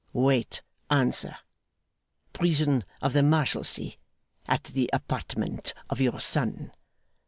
'Wait answer. 'Prison of the Marshalsea. 'At the apartment of your son.